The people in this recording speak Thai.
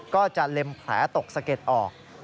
ก็จะเล็มแผลตกสะเก็ดออก